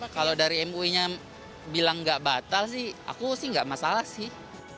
kalau dari mui nya bilang nggak batal sih aku sih nggak masalah sih